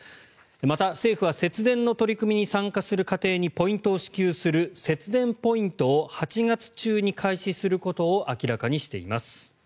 また、政府は節電の取り組みに参加する家庭にポイントを支給する節電ポイントを８月中に開始することを明らかにしています。